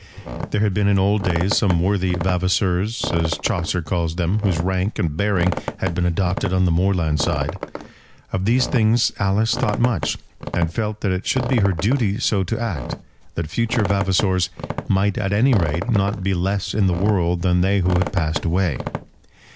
There had been in old days some worthy Vavaseurs, as Chaucer calls them, whose rank and bearing had been adopted on the moorland side. Of these things Alice thought much, and felt that it should be her duty so to act, that future Vavasors might at any rate not be less in the world than they who had passed away.